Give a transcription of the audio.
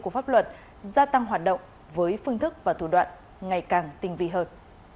của pháp luật gia tăng hoạt động với phương thức và thủ đoạn ngày càng tinh vi hơn